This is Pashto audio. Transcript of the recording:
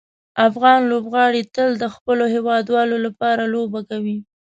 افغان لوبغاړي تل د خپلو هیوادوالو لپاره لوبه کوي.